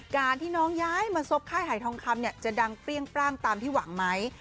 การที่น้องย้ายมาซบค่ายหายทองคำเนี่ยจะดังเปรี้ยงปร่างตามที่หวังไหม